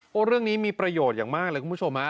เรื่องนี้มีประโยชน์อย่างมากเลยคุณผู้ชมฮะ